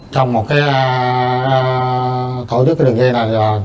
trong một thổ chức đường dây này